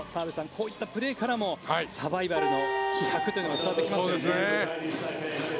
こういったプレーからもサバイバルの気迫というのが伝わってきますね。